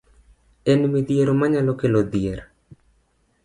En midhiero manyalo kelo dhier.